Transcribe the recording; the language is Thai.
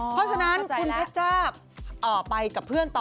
เพราะฉะนั้นคุณเพชจ้าไปกับเพื่อนต่อ